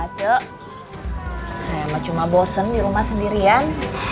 lha ce saya mah cuma bosen di rumah sendirian